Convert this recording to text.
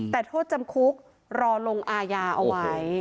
แต่โทษจำคุกรอลงอาญาเอาไว้